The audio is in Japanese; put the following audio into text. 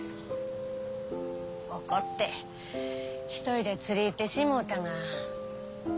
怒って１人で釣り行ってしもうたが。